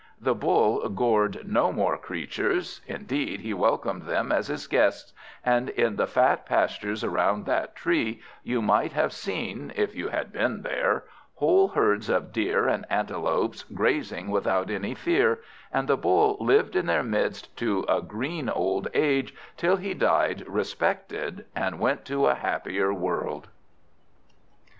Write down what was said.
The Bull gored no more creatures, indeed he welcomed them as his guests; and in the fat pastures around that tree you might have seen, if you had been there, whole herds of deer and antelopes grazing without any fear; and the Bull lived in their midst to a green old age, till he died respected and went to a happier world.